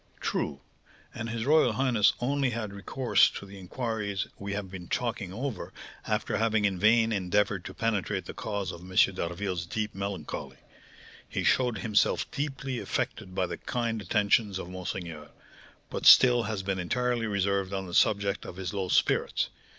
"True, and his royal highness only had recourse to the inquiries we have been talking over after having in vain endeavoured to penetrate the cause of M. d'Harville's deep melancholy; he showed himself deeply affected by the kind attentions of monseigneur, but still has been entirely reserved on the subject of his low spirits.